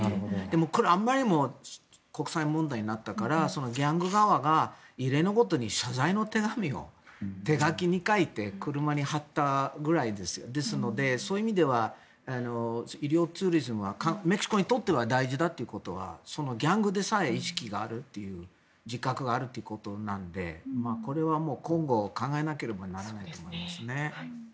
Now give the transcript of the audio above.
これはあまりにも国際問題になったからギャング側が異例のことに謝罪の手紙を手書きで書いて車に貼ったくらいですのでそういう意味では医療ツーリズムはメキシコにとっては大事だということはギャングでさえ意識があるという自覚があるということなのでこれはもう今後考えなければならないことですね。